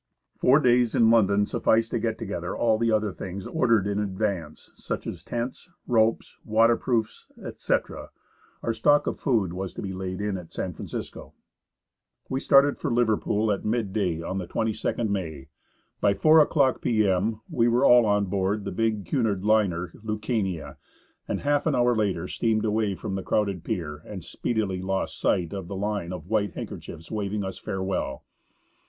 Four days in London sufficed to get together all the other things ordered in advance, such as tents, ropes, waterproofs, etc. Our stock of food was to be laid in at San Fran cisco.' We started for Liver pool at midday on the 22nd May. By 4 o'clock p.m. we were all on board the big Cunard liner Lucania, and half an hour later steamed away from the crowded pier and speedily lost sight of the line of white handkerchiefs waving us farewell.